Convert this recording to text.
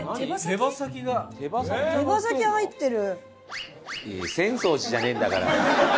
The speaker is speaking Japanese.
手羽先入ってる。